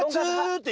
って。